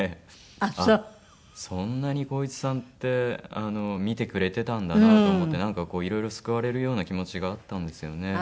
あっそんなに浩市さんって見てくれてたんだなって思っていろいろ救われるような気持ちがあったんですよね。